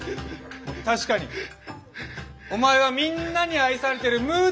確かにお前はみんなに愛されてるムードメーカーだよ。